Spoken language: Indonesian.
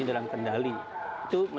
ini dalam kendali itu